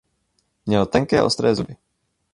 Měl tenké ostré zuby.